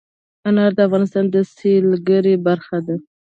انار د افغانستان د سیلګرۍ برخه ده.